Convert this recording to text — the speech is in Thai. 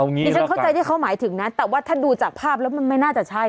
นี่ฉันเข้าใจที่เขาหมายถึงนะแต่ว่าถ้าดูจากภาพแล้วมันไม่น่าจะใช่